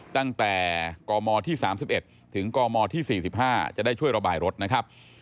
ตั้งแต่กมที่๓๑ถึงกมที่๔๕จะได้ช่วยระบายรถนะครับ